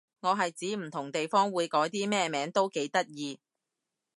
我係指唔同地方會改啲咩名都幾得意